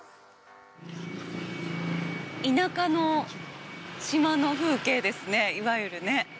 田舎の島の風景ですね、いわゆるね。